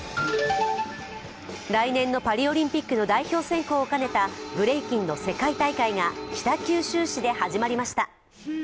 来年のパリオリンピックの代表選考を兼ねたブレイキンの世界大会が北九州市で始まりました。